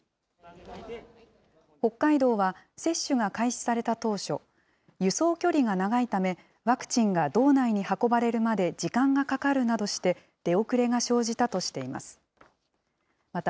北海道は、接種が開始された当初、輸送距離が長いため、ワクチンが道内に運ばれるまで時間がかかるなどして、出遅れが生じたとしています。